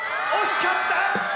惜しかった